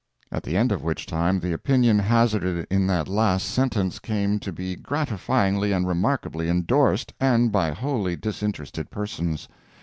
At the end of which time the opinion hazarded in that last sentence came to be gratifyingly and remarkably endorsed, and by wholly disinterested persons.